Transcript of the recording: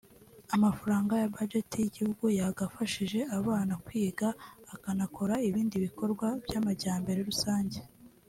Amafaranga ya budget y’iguhugu yagafashije abana kwiga akanakora ibindi bikorwa by’amajyambere rusange